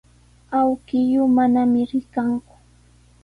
Awkilluu manami rikanku.